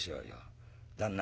旦那